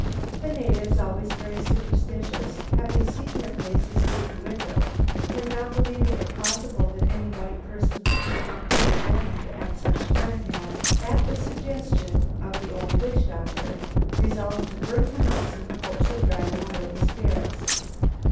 The natives, always very superstitious, having seen their faces through the window, and not believing it possible that any white persons could come to the island at such a time, had, at the suggestion of the old witch doctor, resolved to burn the house in the hopes of driving the spirits away.